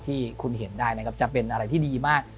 ที่คุณเห็นได้นะครับจะเป็นอะไรที่ดีมาก